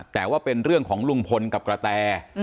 แต่ว่าเป็นเรื่องของลุงพลกับกระแต